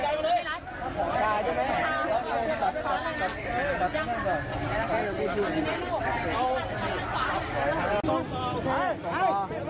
อาจจะต้องหลบแขน